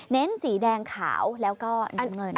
เน้นสีแดงขาวแล้วก็เหนือเงินค่ะ